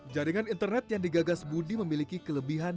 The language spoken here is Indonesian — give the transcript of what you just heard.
jaringan internet yang digagas budi memiliki kelebihan